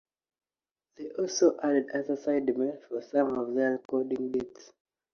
They also added other sidemen for some of their recording dates.